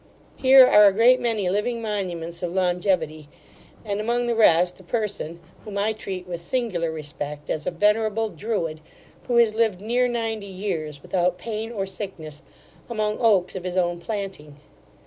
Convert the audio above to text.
Here are a great many living monuments of longaevity; and among the rest a person, whom I treat with singular respect, as a venerable druid, who has lived near ninety years, without pain or sickness, among oaks of his own planting.